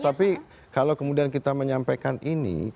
tapi kalau kemudian kita menyampaikan ini